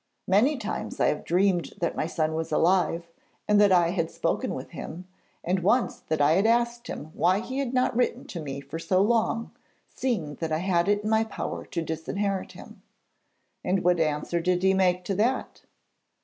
'Many times I have dreamed that my son was alive, and that I had spoken with him, and once that I had asked him why he had not written to me for so long, seeing that I had it in my power to disinherit him.' 'And what answer did he make to that?'